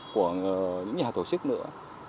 của những nhà tổ chức nữa